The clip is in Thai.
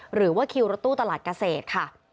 หรือว่าคิวรถตู้ตลาดเกษตรค่ะ